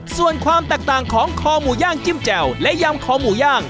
ส่วนความแตกต่างของคอหมูย่างจิ้มแจ่วและยำคอหมูย่าง